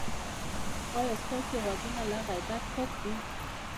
ایا ستاسو غوږونه له غیبت پاک دي؟